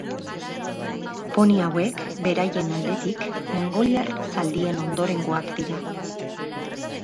Poni hauek beraien aldetik mongoliar zaldien ondorengoak dira.